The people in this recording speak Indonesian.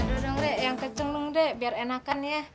ayo dong deh yang kenceng dong deh biar enakan ya